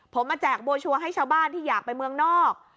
ผมมาแจกบัวชัวร์ให้ชาวบ้านที่อยากไปเมืองนอก